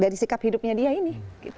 dari sikap hidupnya dia ini